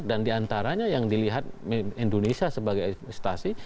diantaranya yang dilihat indonesia sebagai investasi